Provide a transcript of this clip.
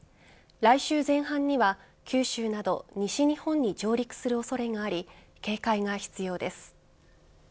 来週前半には九州など西日本に上陸する恐れがあり警戒が必要です。